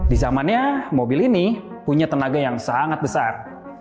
di zamannya mobil ini punya tenaga yang sangat besar